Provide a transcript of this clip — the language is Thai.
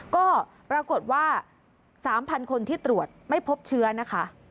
ก็ปรากฏว่า๓๐๐คนที่ตรวจไม่พบเชื้อนะคะ